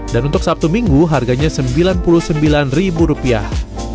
dan untuk sabtu minggu harganya sembilan puluh sembilan rupiah